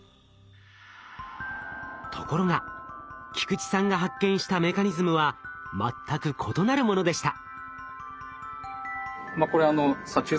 ところが菊池さんが発見したメカニズムは全く異なるものでした。